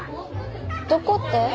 どこって？